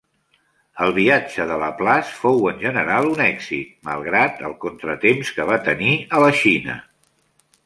El viatge de Laplace fou en general un èxit, malgrat el contratemps que va tenir a la Xina.